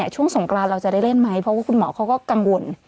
ช่วงสงกรานเราจะได้เล่นไหมเพราะว่าคุณหมอเขาก็กังวล